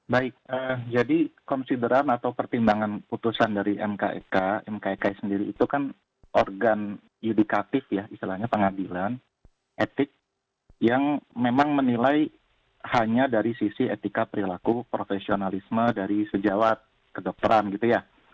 baik jadi konsideran atau pertimbangan putusan dari mkek mkeke sendiri itu kan organ yudikatif ya istilahnya pengadilan etik yang memang menilai hanya dari sisi etika perilaku profesionalisme dari sejawat kedokteran gitu ya